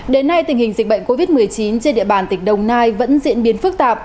đến nay tình hình dịch bệnh covid một mươi chín trên địa bàn tỉnh đồng nai vẫn diễn biến phức tạp